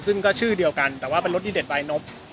ซึ่งก็ชื่อเดียวกันแต่ว่าเป็นรถดีเด็ดบายนพ